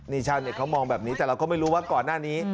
นี่ชาวเน็ตเขามองแบบนี้แต่เราก็ไม่รู้ว่าก่อนหน้านี้